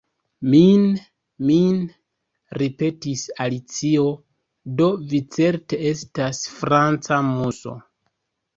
"Mine', mine'," ripetis Alicio "do vi certe estas franca Muso.